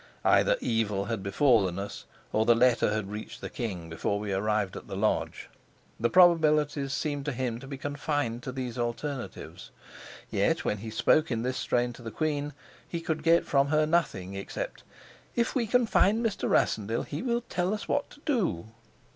Either evil had befallen us, or the letter had reached the king before we arrived at the lodge; the probabilities seemed to him to be confined to these alternatives. Yet when he spoke in this strain to the queen, he could get from her nothing except, "If we can find Mr. Rassendyll, he will tell us what to do."